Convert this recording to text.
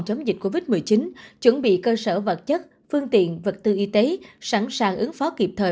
chống dịch covid một mươi chín chuẩn bị cơ sở vật chất phương tiện vật tư y tế sẵn sàng ứng phó kịp thời